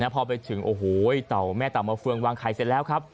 พอไปถึงโอ้โหเต่าแม่เต่ามาเฟืองวางไข่เสร็จแล้วครับ